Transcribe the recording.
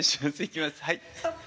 はい。